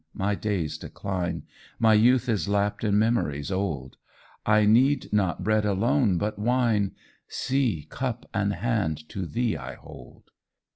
My days decline; My youth is lapped in memories old; I need not bread alone, but wine See, cup and hand to thee I hold.